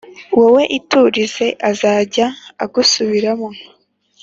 Wowe iturize azajya agusubiramo